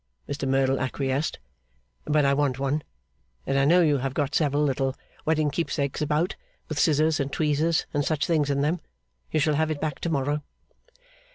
Mr Merdle acquiesced; 'but I want one; and I know you have got several little wedding keepsakes about, with scissors and tweezers and such things in them. You shall have it back to morrow.